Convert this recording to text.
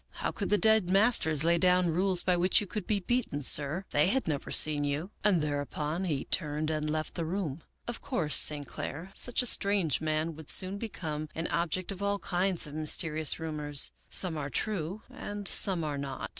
How could the dead masters lay down rules by which you could be beaten, sir? They had never seen you '; and thereupon he turned and left the room. Of ^7 American Mystery Stories course, St. Clair, such a strange man would soon become an object of all kinds of mysterious rumors. Some are true and some are not.